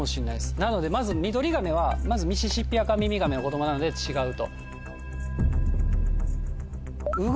なのでまずミドリガメはミシシッピアカミミガメの子供なので違うと。